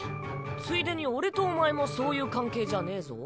ついでに俺とお前もそういう関係じゃねぇぞ。